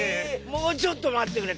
もうちょっと待ってくれ。